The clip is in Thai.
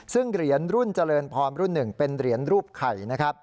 ซึ่งเหรียญรุ่นเจริญพรรุ่น๑เป็นเหรียญรูปไข่นะครับ